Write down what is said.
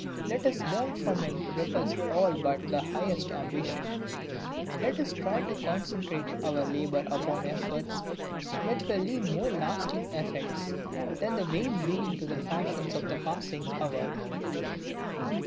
Let us learn from him to repulse all but the highest ambition, let us try to concentrate our labor upon efforts which will leave more lasting effects than the vain leading of the fashions of the passing hour.